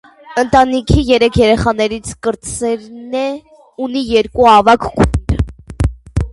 Ընտանիքի երեք երեխաներից կրտսերն է, ունի երկու ավագ քույր։